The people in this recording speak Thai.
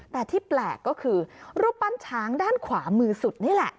แต่ที่แปลกก็คือรูปปั้นช้างด้านขวามือสุดนี่แหละ